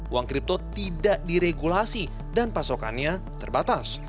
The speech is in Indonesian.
uang kripto tidak diregulasi dan pasokannya terbatas